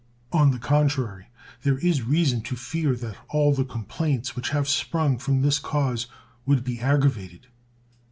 On the contrary, there is reason to fear that all the complaints which have sprung from this cause would be aggravated.